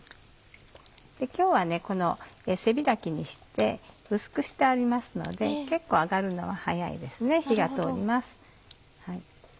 今日はこの背開きにして薄くしてありますので結構揚がるのは早いですね火が通ります。